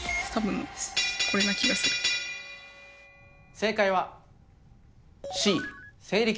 正解はえ！